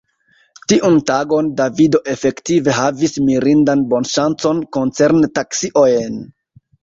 Tiun tagon Davido efektive havis mirindan bonŝancon koncerne taksiojn.